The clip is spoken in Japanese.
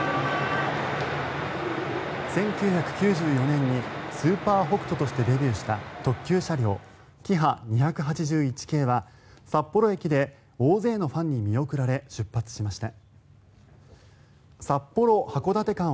１９９４年にスーパー北斗としてデビューした特急車両キハ２８１系は札幌駅で大勢のファンに見送られ出発しました。